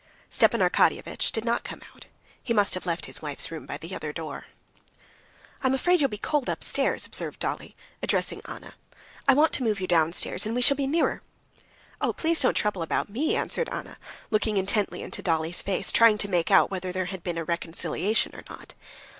Stepan Arkadyevitch did not come out. He must have left his wife's room by the other door. "I am afraid you'll be cold upstairs," observed Dolly, addressing Anna; "I want to move you downstairs, and we shall be nearer." "Oh, please, don't trouble about me," answered Anna, looking intently into Dolly's face, trying to make out whether there had been a reconciliation or not.